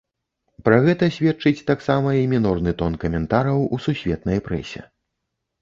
Пра гэта сведчыць таксама і мінорны тон каментараў у сусветнай прэсе.